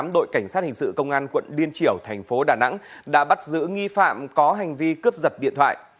đội cảnh sát hình sự công an quận liên triểu thành phố đà nẵng đã bắt giữ nghi phạm có hành vi cướp giật điện thoại